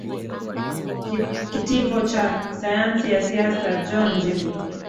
kitivo cha sayansi ya siasa john jingu